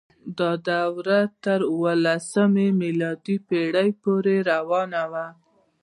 دا دوره تر اوولسمې میلادي پیړۍ پورې روانه وه.